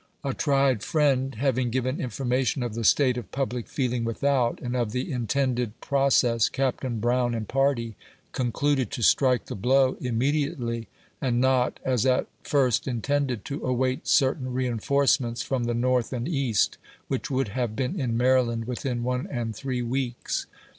A tried friend having given information of the state of public feeling without, and of the intended pro cess, Captain Brown and party concluded to strike the blow immediately, and not, as at first intended, to await certain re inforcements from the North and East, which would have been in Maryland within one and three weeks.